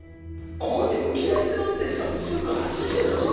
ここにむき出しで乗ってしかも時速８０でしょう？